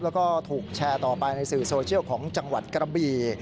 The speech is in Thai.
แล้วก็ถูกแชร์ต่อไปในสื่อโซเชียลของจังหวัดกระบี